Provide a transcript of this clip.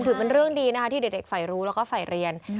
ถือเป็นเรื่องดีนะคะที่เด็กฝ่ายรู้แล้วก็ฝ่ายเรียน